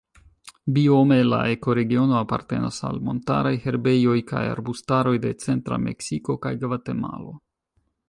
Biome la ekoregiono apartenas al montaraj herbejoj kaj arbustaroj de centra Meksiko kaj Gvatemalo.